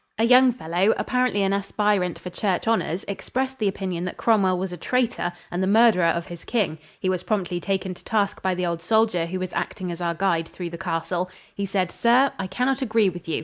A young fellow, apparently an aspirant for church honors, expressed the opinion that Cromwell was a traitor and the murderer of his king. He was promptly taken to task by the old soldier who was acting as our guide through the castle. He said, "Sir, I can not agree with you.